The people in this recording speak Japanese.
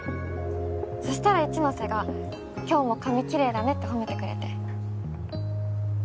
そしたら一ノ瀬が「今日も髪きれいだね」って褒めてくれて。